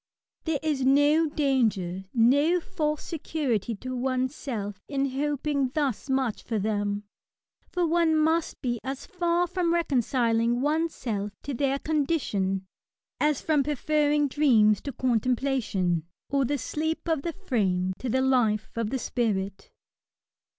There is no danger, no false security to one's self, in hoping thus much for them ; for one must be as far from reconciling oneVself to their con dition as from preferring dreams to contemplation, or the sleep of the frame to the life of the spirit.